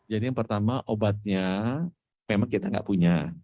jadi yang pertama obatnya memang kita nggak punya